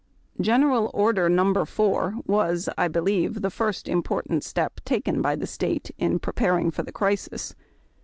General Order No. 4 was, I believe, the first important step taken by the State in preparing for the crisis.